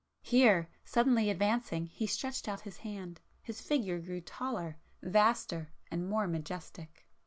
Here, suddenly advancing he stretched out his hand,—his figure grew taller, vaster and more majestic.